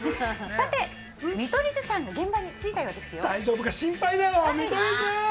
さて見取り図さんが現場に着いたようです。